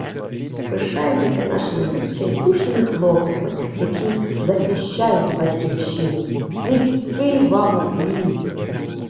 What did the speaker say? Пишаємося нашими відчайдушними хлопцями, які захищають Батьківщину. Низький вам уклін!